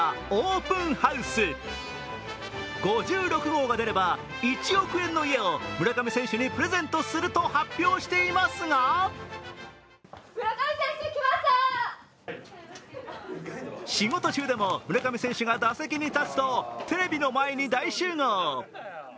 ５６号が出れば１億円の家を村上選手にプレゼントすると発表していますが仕事中でも村上選手が打席に立つとテレビの前に大集合。